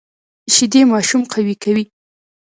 شیدې ماشوم قوي کوي